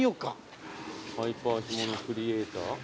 ハイパー干物クリエイター。